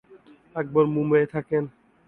আকবর মুম্বাইয়ে থাকেন।